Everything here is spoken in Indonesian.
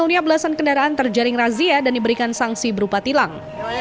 sebelumnya belasan kendaraan terjaring razia dan diberikan sanksi berupa tilang